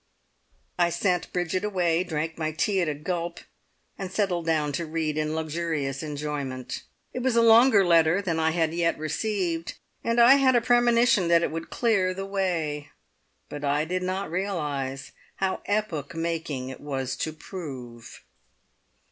I sent Bridget away, drank my tea at a gulp, and settled down to read in luxurious enjoyment. It was a longer letter than I had yet received, and I had a premonition that it would clear the way. But I did not realise how epoch making it was to prove.